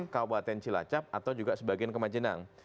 kabupaten cilacap atau juga sebagian ke majenang